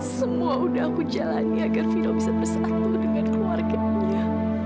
semua udah aku jalani agar vino bisa bersatu dengan keluarganya